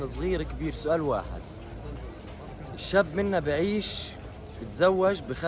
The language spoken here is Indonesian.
orang orang dari kita hidup berkahwin berpengalaman